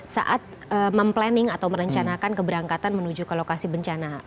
saat mem planning atau merencanakan keberangkatan menuju ke lokasi bencana